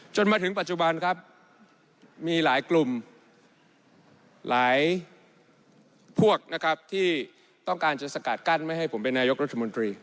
จนถึงปัจจุบันครับมีหลายกลุ่มหลายพวกนะครับที่ต้องการจะสกัดกั้นไม่ให้ผมเป็นนายกรัฐมนตรี